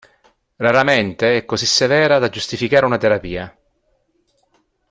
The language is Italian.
Raramente è così severa da giustificare una terapia.